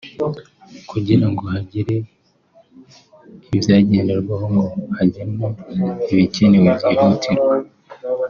kugirango hagire ibyagenderwaho ngo hagenwe ibikenewe byihutirwa